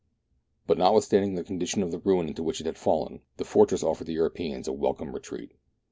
But notwithstanding the condition of ruin into which it had fallen, the fortress offered the Europeans a welcome retreat.